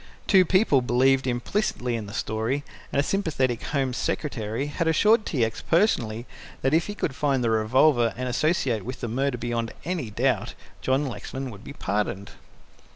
Two people believed implicitly in the story, and a sympathetic Home Secretary had assured T. X. personally that if he could find the revolver and associate it with the murder beyond any doubt, John Lexman would be pardoned.